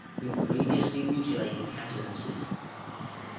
with grievously mutilated countenances.